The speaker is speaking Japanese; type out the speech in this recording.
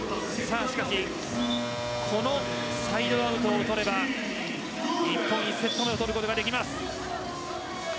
ただ、このサイドアウトを取れば日本１セット目を取ることができます。